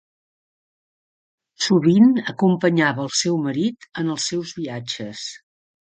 Sovint acompanyava el seu marit en els seus viatges.